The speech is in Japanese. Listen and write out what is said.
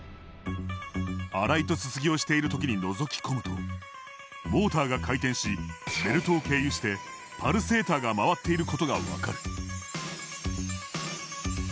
洗いとすすぎをしている時にのぞき込むとモーターが回転しベルトを経由してパルセーターが回っていることが分かる。